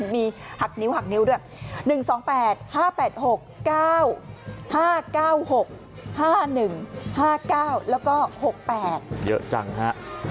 มีหักนิ้วหักนิ้วด้วย๑๒๘๕๘๖๙๕๙๖๕๑๕๙แล้วก็๖๘เยอะจังฮะ